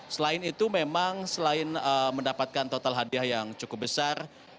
selain itu memang selain mendapatkan total hadiah yang cukup besar